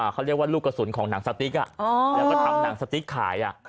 เขาเรียกว่าลูกกระสุนของหนังสติ๊กแล้วก็ทำหนังสติ๊กขาย